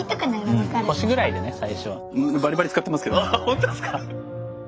ほんとっすか！